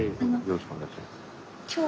よろしくお願いします。